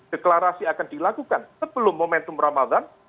deklarasi akan dilakukan sebelum momentum ramadan